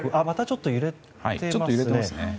またちょっと揺れていますね。